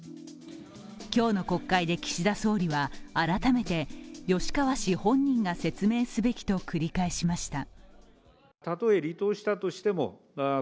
今日の国会で岸田総理は改めて吉川氏本人が説明すべきと繰り返しました。